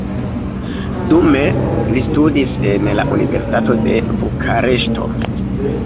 Dume li studis en la universitato de Bukareŝto.